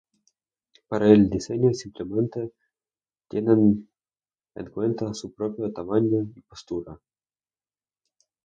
Para el diseño simplemente tienen en cuenta su propio tamaño y postura.